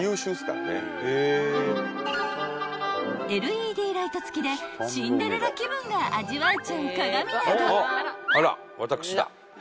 ［ＬＥＤライト付きでシンデレラ気分が味わえちゃう鏡など］